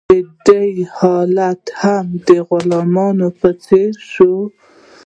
د دوی حالت هم د غلامانو په څیر شو.